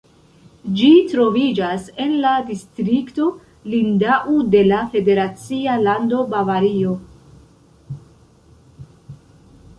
Ĝi troviĝas en la distrikto Lindau de la federacia lando Bavario.